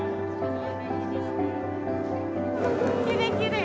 きれいきれい！